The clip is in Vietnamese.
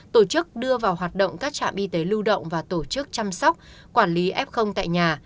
tổ chức đưa vào hoạt động các trạm y tế lưu động và tổ chức chăm sóc quản lý f tại nhà